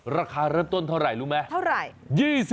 ราคาเริ่มต้นเท่าไหร่รู้ไหมเท่าไหร่